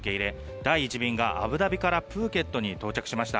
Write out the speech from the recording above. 第１便がアブダビからプーケットに到着しました。